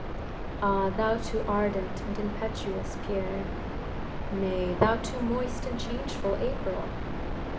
"Ah! thou too ardent and impetuous Pierre!" "Nay, thou too moist and changeful April!